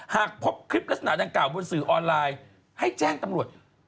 หากพบคลิปลักษณะดังกล่าบนสื่อออนไลน์ให้แจ้งตำรวจ